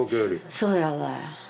そうやわ。